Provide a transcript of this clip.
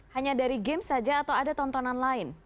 hanya dari game saja atau ada tontonan lain